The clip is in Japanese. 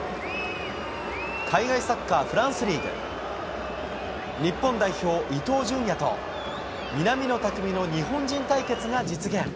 海外サッカー、フランスリーグ。日本代表、伊東純也と南野拓実の日本人対決が実現。